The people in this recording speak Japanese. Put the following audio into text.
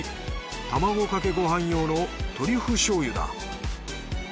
卵かけごはん用のトリュフしょうゆだ。